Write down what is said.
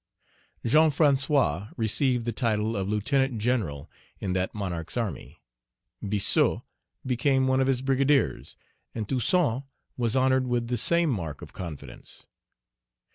Jean François received the title of Lieutenant General in that monarch's army; Biassou became one of his brigadiers; and Toussaint was honored with the same mark of confidence.